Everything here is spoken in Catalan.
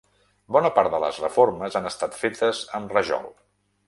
Bona part de les reformes han estat fetes amb rajol.